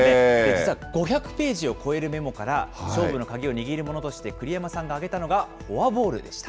実は、５００ページを超えるメモから、勝負の鍵を握るものとして、栗山さんが挙げたのがフォアボールでした。